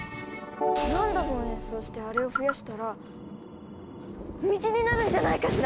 何度も演奏してあれを増やしたら道になるんじゃないかしら！